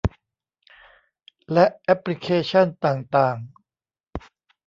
และแอปพลิเคชันต่างต่าง